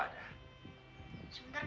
sebentar saya panggil bapak